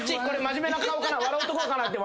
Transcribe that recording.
これ真面目な顔かな？